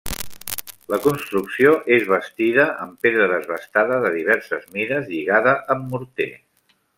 La construcció és bastida amb pedra desbastada de diverses mides, lligada amb morter.